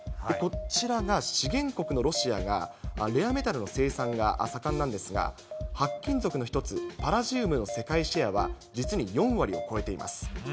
こちらが資源国のロシアがレアメタルの生産が盛んなんですが、金属の一つ、パラジウムの世界シェアは実に４割を超えています。